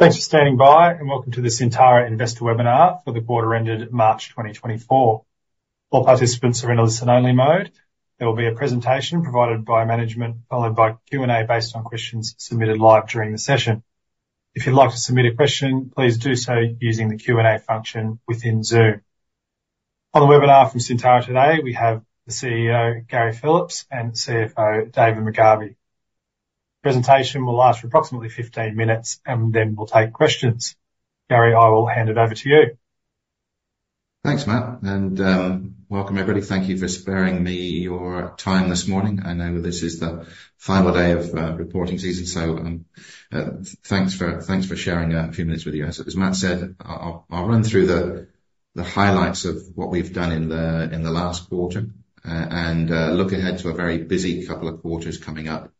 Thanks for standing by and welcome to the Syntara Investor webinar for the quarter-ended March 2024. All participants are in a listen-only mode. There will be a presentation provided by management followed by Q&A based on questions submitted live during the session. If you'd like to submit a question, please do so using the Q&A function within Zoom. On the webinar from Syntara today, we have the CEO Gary Phillips and CFO David McGarvey. The presentation will last for approximately 15 minutes and then we'll take questions. Gary, I will hand it over to you. Thanks, Matt. Welcome, everybody. Thank you for sparing me your time this morning. I know this is the final day of reporting season, so thanks for sharing a few minutes with you. As Matt said, I'll run through the highlights of what we've done in the last quarter and look ahead to a very busy couple of quarters coming up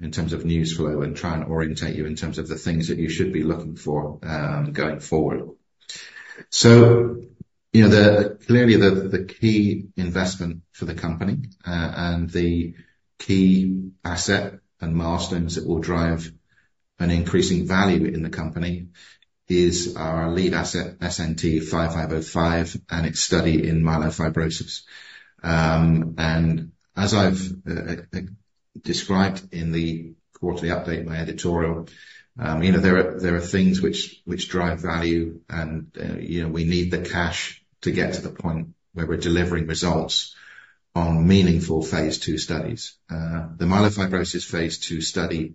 in terms of news flow and try and orientate you in terms of the things that you should be looking for going forward. Clearly, the key investment for the company and the key asset and milestones that will drive an increasing value in the company is our lead asset, SNT-5505, and its study in myelofibrosis. As I've described in the quarterly update, my editorial, there are things which drive value and we need the cash to get to the point where we're delivering results on meaningful phase 2 studies. The myelofibrosis phase 2 study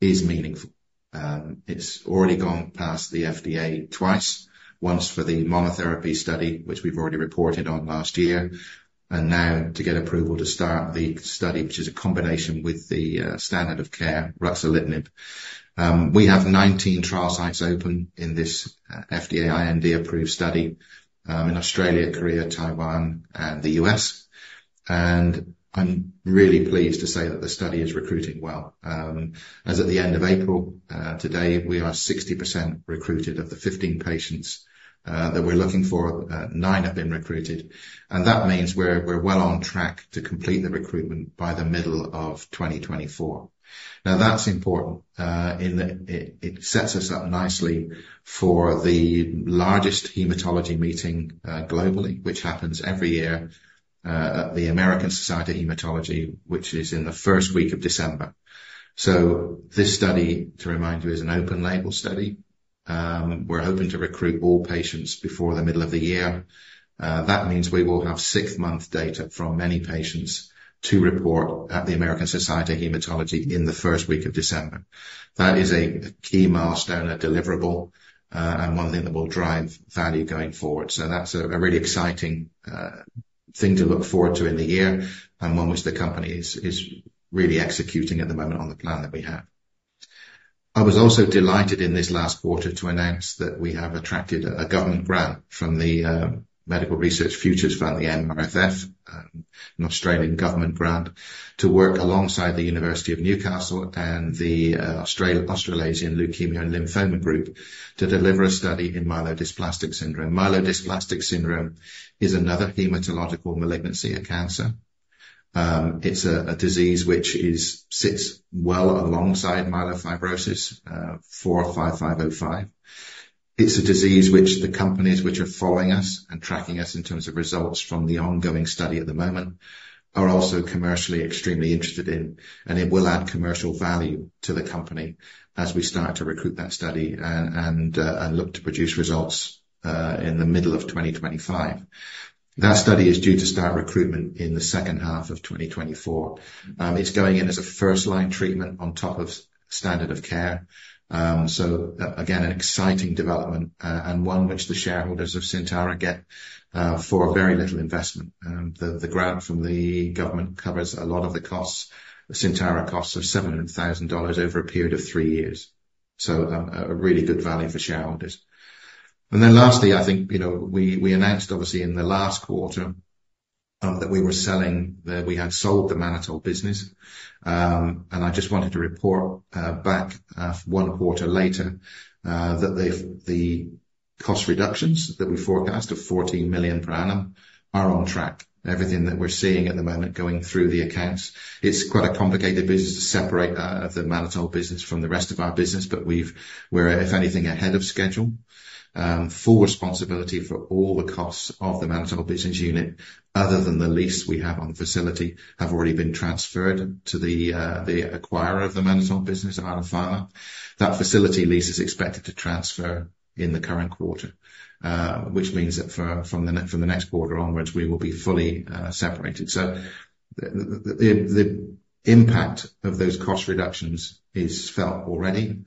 is meaningful. It's already gone past the FDA twice, once for the monotherapy study, which we've already reported on last year, and now to get approval to start the study, which is a combination with the standard of care, ruxolitinib. We have 19 trial sites open in this FDA IND-approved study in Australia, Korea, Taiwan, and the U.S. I'm really pleased to say that the study is recruiting well. As at the end of April today, we are 60% recruited of the 15 patients that we're looking for, nine have been recruited. That means we're well on track to complete the recruitment by the middle of 2024. Now, that's important. It sets us up nicely for the largest hematology meeting globally, which happens every year at the American Society of Hematology, which is in the first week of December. So this study, to remind you, is an open-label study. We're hoping to recruit all patients before the middle of the year. That means we will have six-month data from many patients to report at the American Society of Hematology in the first week of December. That is a key milestone, a deliverable, and one thing that will drive value going forward. So that's a really exciting thing to look forward to in the year and one which the company is really executing at the moment on the plan that we have. I was also delighted in this last quarter to announce that we have attracted a government grant from the Medical Research Future Fund, the MRFF, an Australian government grant, to work alongside the University of Newcastle and the Australasian Leukaemia and Lymphoma Group to deliver a study in myelodysplastic syndrome. Myelodysplastic syndrome is another hematological malignancy, a cancer. It's a disease which sits well alongside myelofibrosis, SNT-5505. It's a disease which the companies which are following us and tracking us in terms of results from the ongoing study at the moment are also commercially extremely interested in, and it will add commercial value to the company as we start to recruit that study and look to produce results in the middle of 2025. That study is due to start recruitment in the second half of 2024. It's going in as a first-line treatment on top of standard of care. So again, an exciting development and one which the shareholders of Syntara get for very little investment. The grant from the government covers a lot of the costs. The Syntara costs of 700,000 dollars over a period of three years. So a really good value for shareholders. And then lastly, I think we announced, obviously, in the last quarter that we were selling that we had sold the mannitol business. And I just wanted to report back one quarter later that the cost reductions that we forecast of 14 million per annum are on track. Everything that we're seeing at the moment going through the accounts. It's quite a complicated business to separate the mannitol business from the rest of our business, but we're, if anything, ahead of schedule. Full responsibility for all the costs of the mannitol business unit, other than the lease we have on the facility, have already been transferred to the acquirer of the mannitol business, Arna Pharma. That facility lease is expected to transfer in the current quarter, which means that from the next quarter onwards, we will be fully separated. So the impact of those cost reductions is felt already.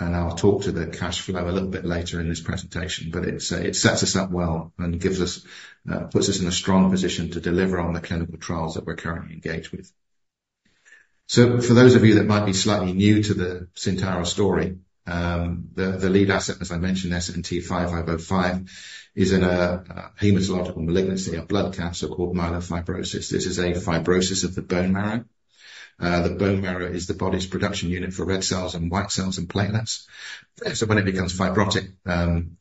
And I'll talk to the cash flow a little bit later in this presentation, but it sets us up well and puts us in a strong position to deliver on the clinical trials that we're currently engaged with. So for those of you that might be slightly new to the Syntara story, the lead asset, as I mentioned, SNT-5505, is in a hematological malignancy, a blood cancer called myelofibrosis. This is a fibrosis of the bone marrow. The bone marrow is the body's production unit for red cells and white cells and platelets. So when it becomes fibrotic, then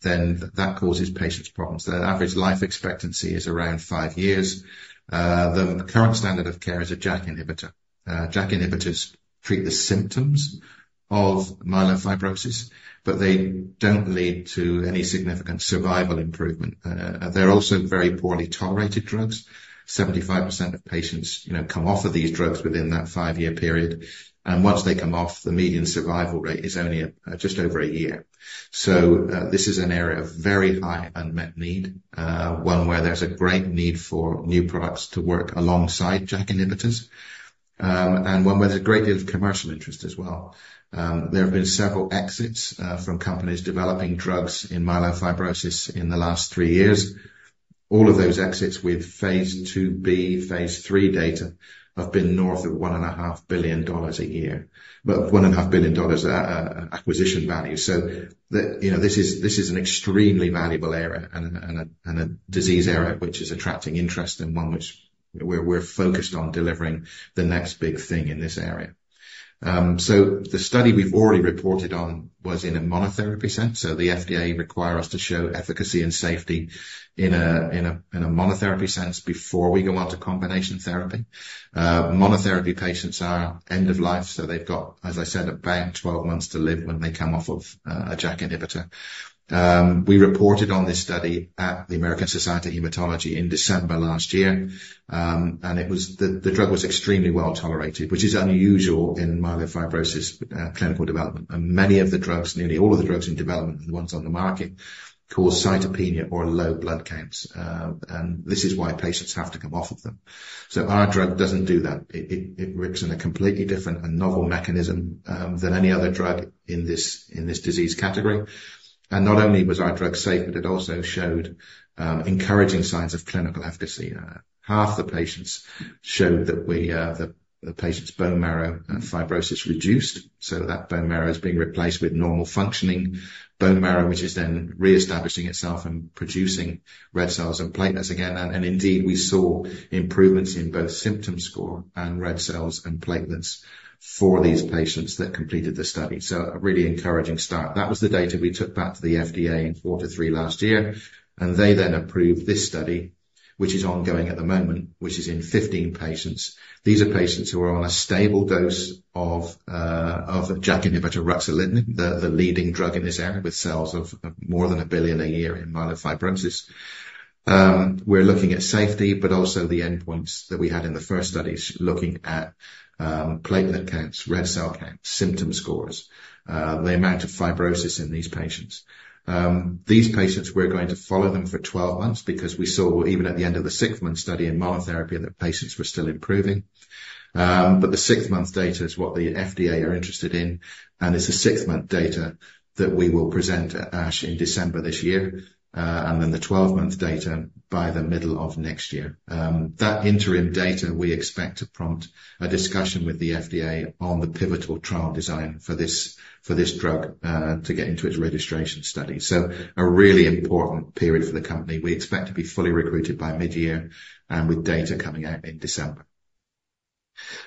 that causes patients' problems. Their average life expectancy is around five years. The current standard of care is a JAK inhibitor. JAK inhibitors treat the symptoms of myelofibrosis, but they don't lead to any significant survival improvement. They're also very poorly tolerated drugs. 75% of patients come off of these drugs within that five-year period. And once they come off, the median survival rate is only just over a year. So this is an area of very high unmet need, one where there's a great need for new products to work alongside JAK inhibitors, and one where there's a great deal of commercial interest as well. There have been several exits from companies developing drugs in myelofibrosis in the last three years. All of those exits with phase 2b, phase 3 data have been north of 1.5 billion dollars a year, but 1.5 billion dollars acquisition value. So this is an extremely valuable area and a disease area which is attracting interest and one which we're focused on delivering the next big thing in this area. So the study we've already reported on was in a monotherapy sense. So the FDA requires us to show efficacy and safety in a monotherapy sense before we go on to combination therapy. Monotherapy patients are end-of-life, so they've got, as I said, about 12 months to live when they come off of a JAK inhibitor. We reported on this study at the American Society of Hematology in December last year. And the drug was extremely well tolerated, which is unusual in myelofibrosis clinical development. Many of the drugs, nearly all of the drugs in development, the ones on the market, cause cytopenia or low blood counts. This is why patients have to come off of them. Our drug doesn't do that. It works in a completely different and novel mechanism than any other drug in this disease category. And not only was our drug safe, but it also showed encouraging signs of clinical efficacy. Half the patients showed that the patient's bone marrow fibrosis reduced. So that bone marrow is being replaced with normal functioning bone marrow, which is then reestablishing itself and producing red cells and platelets again. And indeed, we saw improvements in both symptom score and red cells and platelets for these patients that completed the study. So a really encouraging start. That was the data we took back to the FDA in quarter three last year. They then approved this study, which is ongoing at the moment, which is in 15 patients. These are patients who are on a stable dose of a JAK inhibitor, ruxolitinib, the leading drug in this area with sales of more than 1 billion a year in myelofibrosis. We're looking at safety, but also the endpoints that we had in the first studies, looking at platelet counts, red cell counts, symptom scores, the amount of fibrosis in these patients. These patients, we're going to follow them for 12 months because we saw even at the end of the sixth-month study in monotherapy that patients were still improving. But the sixth-month data is what the FDA are interested in. It's the sixth-month data that we will present at ASH in December this year. Then the 12-month data by the middle of next year. That interim data, we expect to prompt a discussion with the FDA on the pivotal trial design for this drug to get into its registration study. So a really important period for the company. We expect to be fully recruited by mid-year and with data coming out in December.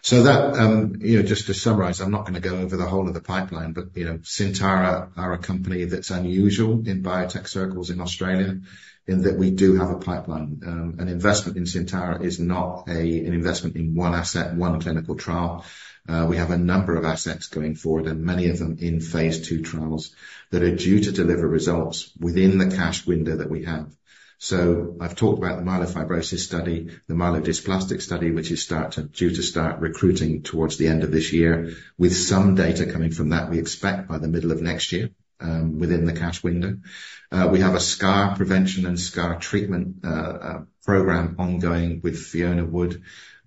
So just to summarize, I'm not going to go over the whole of the pipeline, but Syntara are a company that's unusual in biotech circles in Australia in that we do have a pipeline. An investment in Syntara is not an investment in one asset, one clinical trial. We have a number of assets going forward and many of them in phase 2 trials that are due to deliver results within the cash window that we have. So I've talked about the myelofibrosis study, the myelodysplastic study, which is due to start recruiting towards the end of this year. With some data coming from that, we expect by the middle of next year within the cash window. We have a scar prevention and scar treatment program ongoing with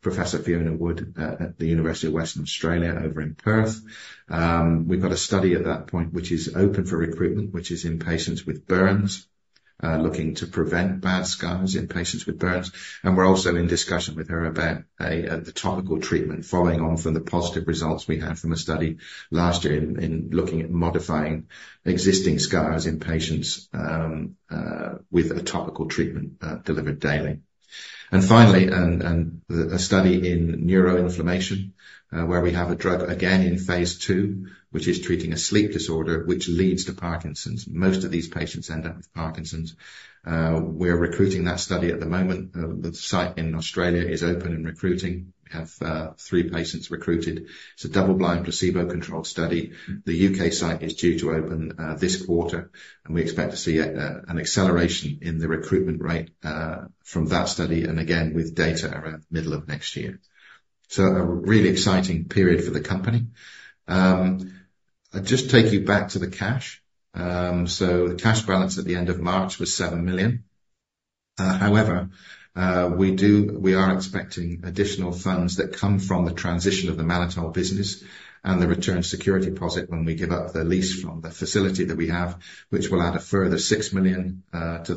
Professor Fiona Wood at the University of Western Australia over in Perth. We've got a study at that point which is open for recruitment, which is in patients with burns, looking to prevent bad scars in patients with burns. And we're also in discussion with her about the topical treatment following on from the positive results we had from a study last year in looking at modifying existing scars in patients with a topical treatment delivered daily. And finally, a study in neuroinflammation where we have a drug again in phase 2, which is treating a sleep disorder which leads to Parkinson's. Most of these patients end up with Parkinson's. We're recruiting that study at the moment. The site in Australia is open and recruiting. We have 3 patients recruited. It's a double-blind placebo-controlled study. The U.K. site is due to open this quarter. And we expect to see an acceleration in the recruitment rate from that study and again with data around the middle of next year. So a really exciting period for the company. I'll just take you back to the cash. So the cash balance at the end of March was 7 million. However, we are expecting additional funds that come from the transition of the mannitol business and the return security deposit when we give up the lease from the facility that we have, which will add a further 6 million to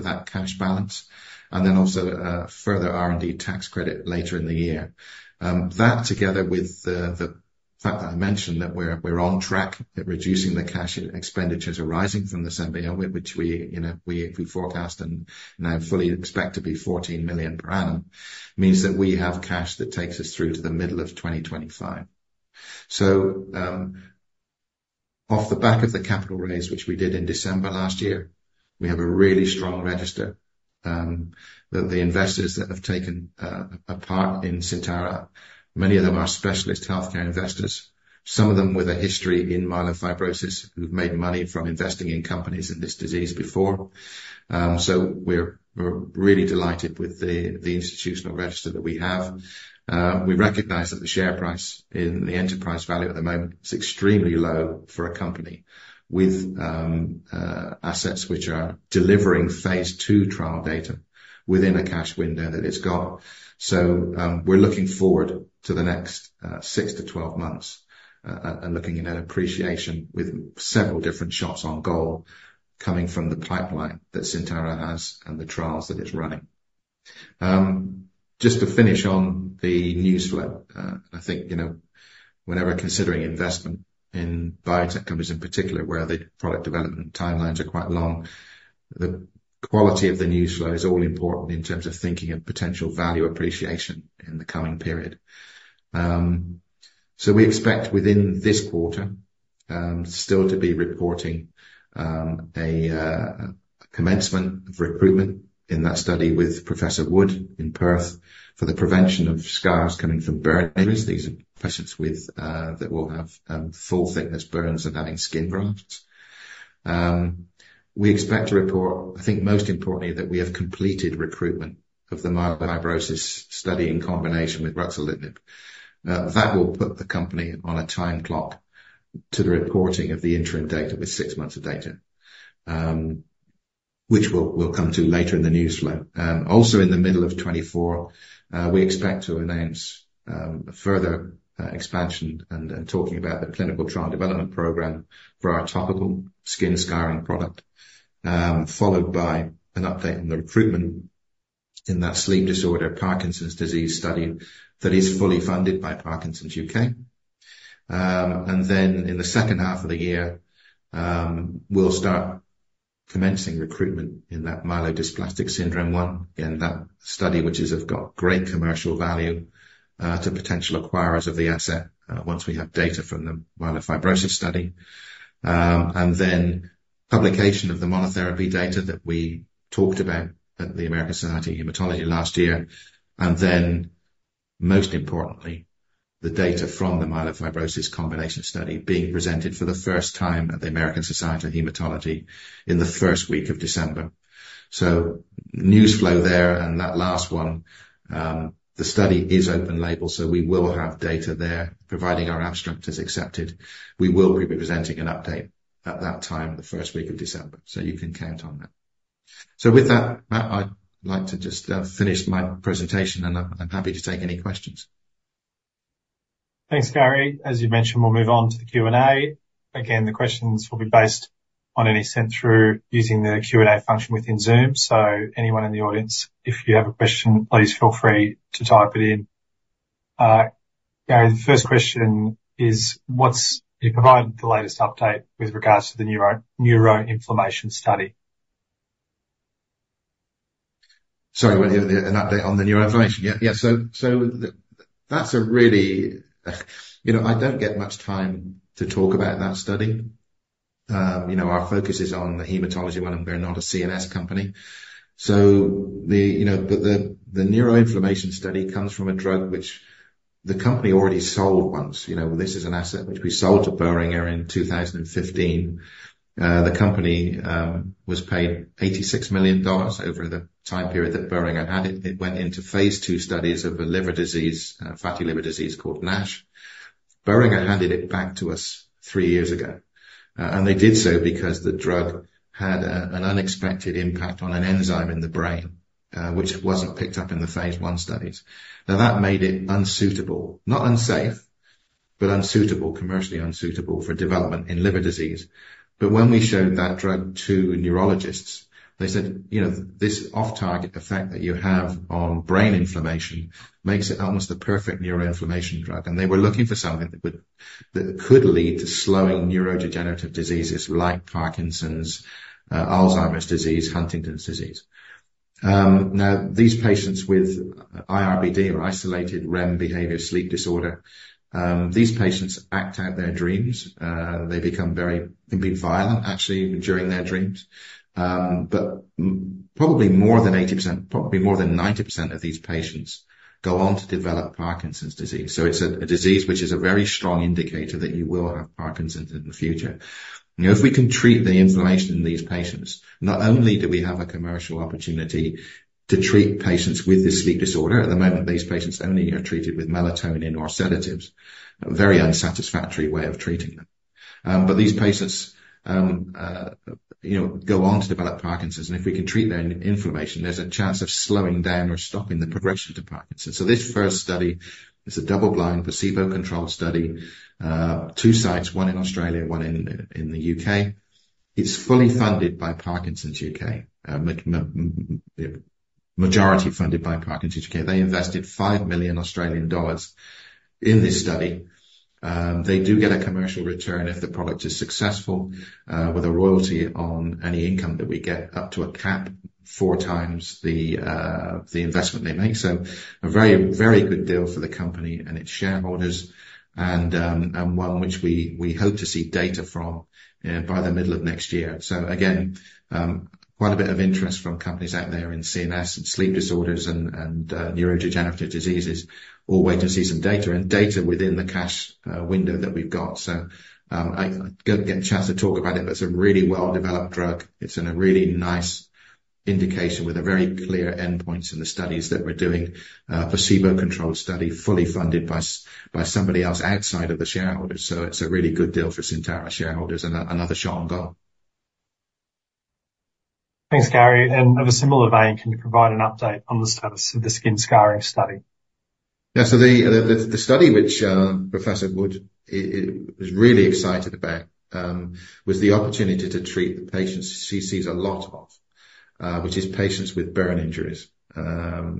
that cash balance. And then also a further R&D tax credit later in the year. That together with the fact that I mentioned that we're on track at reducing the cash expenditures arising from december, which we forecast and now fully expect to be 14 million per annum, means that we have cash that takes us through to the middle of 2025. So off the back of the capital raise, which we did in December last year, we have a really strong register. The investors that have taken a part in Syntara, many of them are specialist healthcare investors, some of them with a history in myelofibrosis who've made money from investing in companies in this disease before. So we're really delighted with the institutional register that we have. We recognize that the share price in the enterprise value at the moment is extremely low for a company with assets which are delivering phase 2 trial data within a cash window that it's got. So we're looking forward to the next 6-12 months and looking at an appreciation with several different shots on goal coming from the pipeline that Syntara has and the trials that it's running. Just to finish on the news flow, I think you know whenever considering investment in biotech companies in particular where the product development timelines are quite long, the quality of the news flow is all important in terms of thinking of potential value appreciation in the coming period. So we expect within this quarter still to be reporting a commencement of recruitment in that study with Professor Wood in Perth for the prevention of scars coming from burn injuries. These are patients that will have full-thickness burns and having skin grafts. We expect to report, I think most importantly, that we have completed recruitment of the myelofibrosis study in combination with ruxolitinib. That will put the company on a time clock to the reporting of the interim data with six months of data, which we'll come to later in the news flow. Also in the middle of 2024, we expect to announce further expansion and talking about the clinical trial development program for our topical skin scarring product, followed by an update on the recruitment in that sleep disorder, Parkinson's disease study that is fully funded by Parkinson's UK. And then in the second half of the year, we'll start commencing recruitment in that myelodysplastic syndrome one, again, that study which has got great commercial value to potential acquirers of the asset once we have data from the myelofibrosis study. And then publication of the monotherapy data that we talked about at the American Society of Hematology last year. Then most importantly, the data from the myelofibrosis combination study being presented for the first time at the American Society of Hematology in the first week of December. So news flow there and that last one, the study is open label, so we will have data there providing our abstract is accepted. We will be presenting an update at that time, the first week of December. So you can count on that. So with that, Matt, I'd like to just finish my presentation and I'm happy to take any questions. Thanks, Gary. As you mentioned, we'll move on to the Q&A. Again, the questions will be based on any sent through using the Q&A function within Zoom. So anyone in the audience, if you have a question, please feel free to type it in. Gary, the first question is, you provided the latest update with regards to the neuroinflammation study. Sorry, an update on the neuroinflammation. Yeah, yeah. So that's a really, I don't get much time to talk about that study. Our focus is on the hematology one, and we're not a CNS company. So the neuroinflammation study comes from a drug which the company already sold once. This is an asset which we sold to Boehringer in 2015. The company was paid 86 million dollars over the time period that Boehringer had it. It went into phase two studies of a liver disease, fatty liver disease called NASH. Boehringer handed it back to us three years ago. They did so because the drug had an unexpected impact on an enzyme in the brain which wasn't picked up in the phase one studies. Now that made it unsuitable, not unsafe, but unsuitable, commercially unsuitable for development in liver disease. But when we showed that drug to neurologists, they said, you know this off-target effect that you have on brain inflammation makes it almost the perfect neuroinflammation drug. And they were looking for something that could lead to slowing neurodegenerative diseases like Parkinson's, Alzheimer's disease, Huntington's disease. Now these patients with iRBD or isolated REM behavior sleep disorder, these patients act out their dreams. They become very violent, actually, during their dreams. But probably more than 80%, probably more than 90% of these patients go on to develop Parkinson's disease. So it's a disease which is a very strong indicator that you will have Parkinson's in the future. If we can treat the inflammation in these patients, not only do we have a commercial opportunity to treat patients with this sleep disorder, at the moment these patients only are treated with melatonin or sedatives, a very unsatisfactory way of treating them. But these patients go on to develop Parkinson's. And if we can treat their inflammation, there's a chance of slowing down or stopping the progression to Parkinson's. So this first study is a double-blind placebo-controlled study, two sites, one in Australia, one in the U.K. It's fully funded by Parkinson's UK, majority funded by Parkinson's UK. They invested 5 million Australian dollars in this study. They do get a commercial return if the product is successful with a royalty on any income that we get up to a cap four times the investment they make. So a very, very good deal for the company and its shareholders and one which we hope to see data from by the middle of next year. So again, quite a bit of interest from companies out there in CNS and sleep disorders and neurodegenerative diseases all waiting to see some data and data within the cash window that we've got. So I'll get a chance to talk about it, but it's a really well-developed drug. It's a really nice indication with a very clear endpoints in the studies that we're doing, a placebo-controlled study fully funded by somebody else outside of the shareholders. So it's a really good deal for Syntara shareholders and another shot on goal. Thanks, Gary. Of a similar vein, can you provide an update on the status of the skin scarring study? Yeah, so the study which Professor Wood was really excited about was the opportunity to treat the patients she sees a lot of, which is patients with burn injuries. These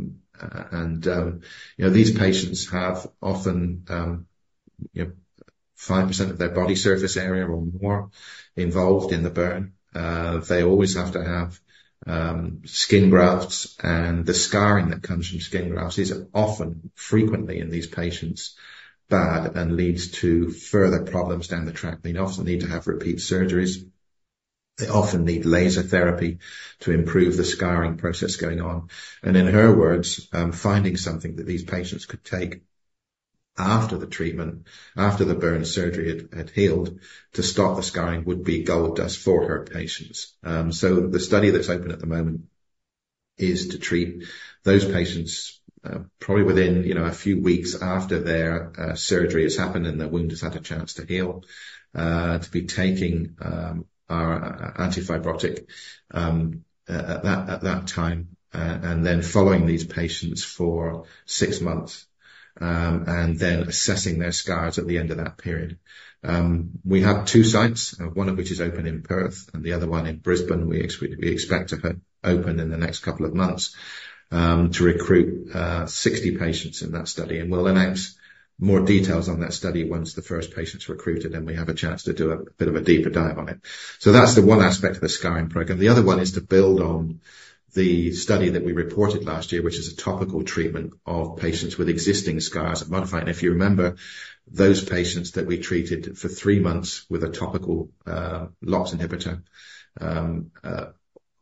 patients have often 5% of their body surface area or more involved in the burn. They always have to have skin grafts and the scarring that comes from skin grafts is often, frequently in these patients bad and leads to further problems down the track. They often need to have repeat surgeries. They often need laser therapy to improve the scarring process going on. In her words, finding something that these patients could take after the treatment, after the burn surgery had healed, to stop the scarring would be gold dust for her patients. So the study that's open at the moment is to treat those patients probably within a few weeks after their surgery has happened and the wound has had a chance to heal, to be taking our antifibrotic at that time and then following these patients for six months and then assessing their scars at the end of that period. We have two sites, one of which is open in Perth and the other one in Brisbane. We expect to open in the next couple of months to recruit 60 patients in that study. And we'll announce more details on that study once the first patients are recruited and we have a chance to do a bit of a deeper dive on it. So that's the one aspect of the scarring program. The other one is to build on the study that we reported last year, which is a topical treatment of patients with existing scars and modifying. And if you remember, those patients that we treated for three months with a topical LOX inhibitor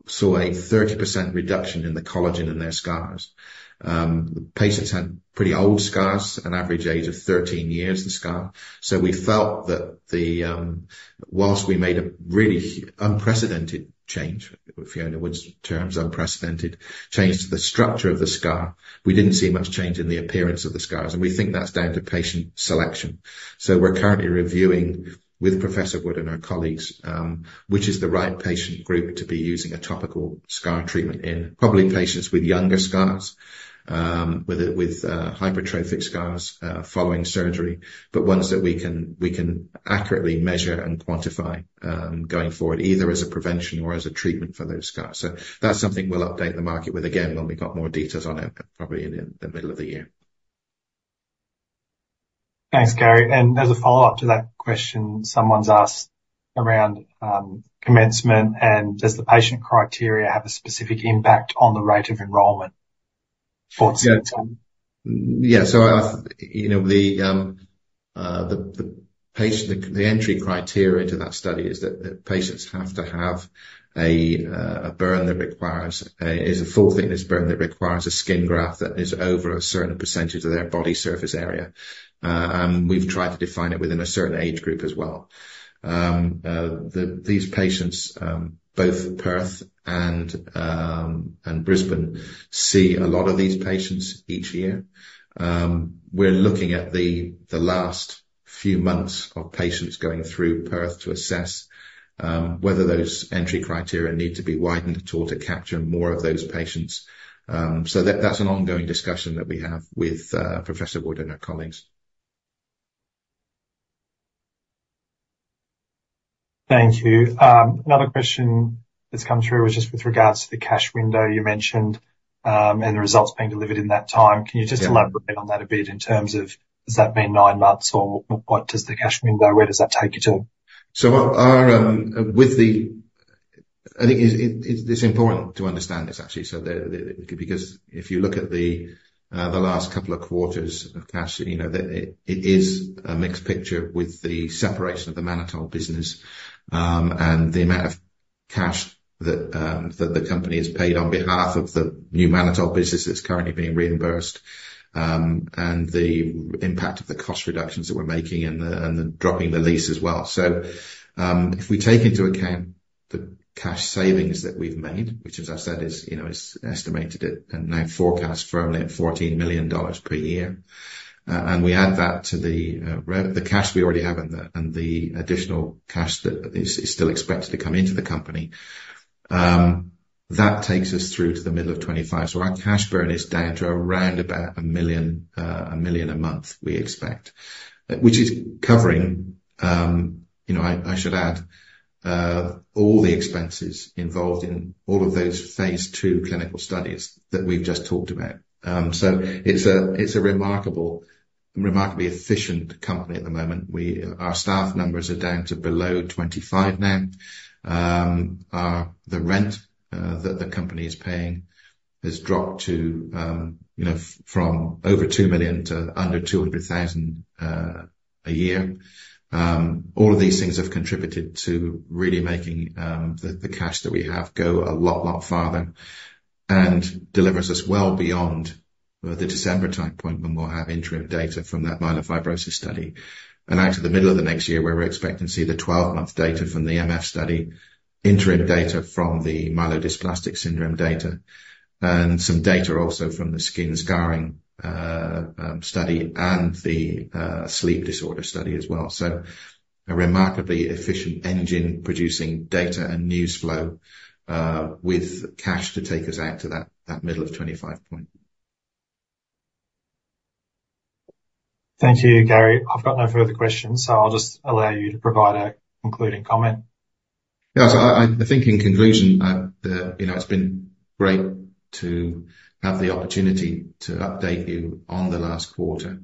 saw a 30% reduction in the collagen in their scars. Patients had pretty old scars, an average age of 13 years, the scar. So we felt that while we made a really unprecedented change, Fiona Wood's terms, unprecedented change to the structure of the scar, we didn't see much change in the appearance of the scars. And we think that's down to patient selection. We're currently reviewing with Professor Wood and our colleagues, which is the right patient group to be using a topical scar treatment in, probably patients with younger scars, with hypertrophic scars following surgery, but ones that we can accurately measure and quantify going forward, either as a prevention or as a treatment for those scars. That's something we'll update the market with again when we've got more details on it, probably in the middle of the year. Thanks, Gary. And as a follow-up to that question, someone's asked around commencement and does the patient criteria have a specific impact on the rate of enrollment for the study? Yeah. So the entry criteria to that study is that patients have to have a burn that requires a full-thickness burn that requires a skin graft that is over a certain percentage of their body surface area. And we've tried to define it within a certain age group as well. These patients, both Perth and Brisbane, see a lot of these patients each year. We're looking at the last few months of patients going through Perth to assess whether those entry criteria need to be widened at all to capture more of those patients. So that's an ongoing discussion that we have with Professor Wood and our colleagues. Thank you. Another question that's come through was just with regards to the cash window you mentioned and the results being delivered in that time. Can you just elaborate on that a bit in terms of does that mean 9 months or what does the cash window, where does that take you to? I think it's important to understand this, actually, so because if you look at the last couple of quarters of cash, it is a mixed picture with the separation of the mannitol business and the amount of cash that the company has paid on behalf of the new mannitol business that's currently being reimbursed and the impact of the cost reductions that we're making and the dropping the lease as well. So if we take into account the cash savings that we've made, which, as I said, is estimated and now forecast firmly at 14 million dollars per year, and we add that to the cash we already have and the additional cash that is still expected to come into the company, that takes us through to the middle of 2025. So our cash burn is down to around 1 million a month, we expect, which is covering, I should add, all the expenses involved in all of those phase 2 clinical studies that we've just talked about. So it's a remarkably efficient company at the moment. Our staff numbers are down to below 25 now. The rent that the company is paying has dropped from over 2 million to under 200,000 a year. All of these things have contributed to really making the cash that we have go a lot, lot farther and delivers us well beyond the December time point when we'll have interim data from that myelofibrosis study. Actually, the middle of the next year where we're expecting to see the 12-month data from the MF study, interim data from the myelodysplastic syndrome data, and some data also from the skin scarring study and the sleep disorder study as well. A remarkably efficient engine producing data and news flow with cash to take us out to that middle of 2025 point. Thank you, Gary. I've got no further questions, so I'll just allow you to provide a concluding comment. Yeah, so I think in conclusion, it's been great to have the opportunity to update you on the last quarter.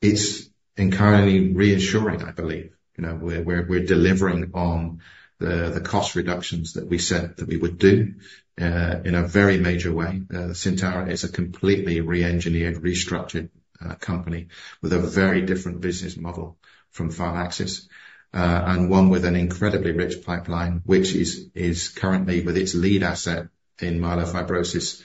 It's encouragingly reassuring, I believe. We're delivering on the cost reductions that we said that we would do in a very major way. Syntara is a completely re-engineered, restructured company with a very different business model from Pharmaxis and one with an incredibly rich pipeline, which is currently with its lead asset in myelofibrosis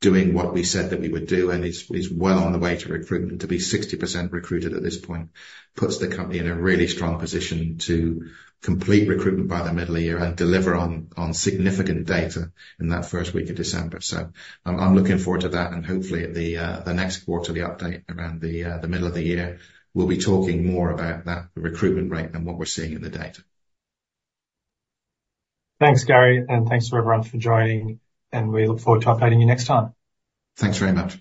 doing what we said that we would do and is well on the way to recruitment to be 60% recruited at this point. [It] puts the company in a really strong position to complete recruitment by the middle of the year and deliver on significant data in that first week of December. I'm looking forward to that and hopefully at the next quarter, the update around the middle of the year, we'll be talking more about that recruitment rate and what we're seeing in the data. Thanks, Gary, and thanks to everyone for joining, and we look forward to updating you next time. Thanks very much.